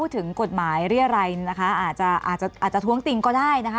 ถึงกฎหมายหรืออะไรนะคะอาจจะท้วงติงก็ได้นะคะ